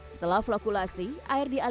setelah floculasi air dialirkan menjadi air baku